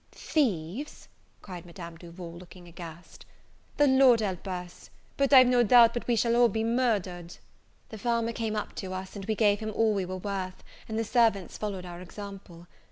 "Thieves!" cried Madame Duval, looking aghast; "the Lord help us! I've no doubt but we shall be all murdered!" The farmer came up to us, and we gave him all we were worth, and the servants followed our example.